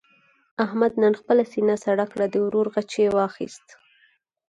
احمد نن خپله سینه سړه کړه. د ورور غچ یې واخیست.